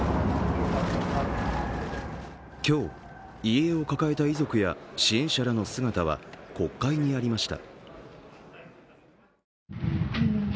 今日、遺影を抱えた遺族や支援者らの姿は国会にありました。